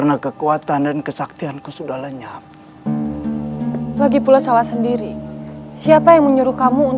aku akan datang menemui mu